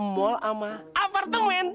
mall sama apartemen